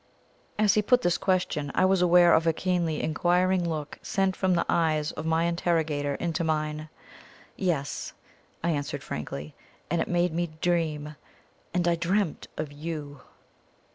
As he put this question, I was aware of a keenly inquiring look sent from the eyes of my interrogator into mine. "Yes," I answered frankly, "and it made me dream, and I dreamt of YOU."